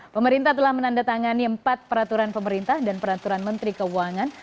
pemerintah telah menandatangani empat peraturan pemerintah dan peraturan menteri keuangan